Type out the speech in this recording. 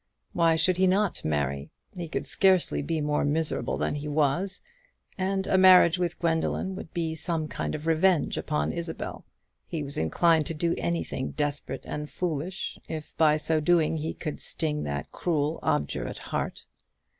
Why should he not marry? He could scarcely be more miserable than he was; and a marriage with Gwendoline would be some kind of revenge upon Isabel. He was inclined to do anything desperate and foolish, if by so doing he could sting that cruel, obdurate heart.